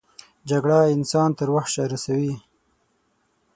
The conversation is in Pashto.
جګړه انسان تر وحشه رسوي